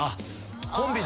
コンビで？